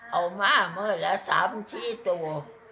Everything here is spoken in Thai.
เอามามือละ๓ที่ตัว